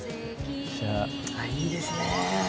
あっいいですね。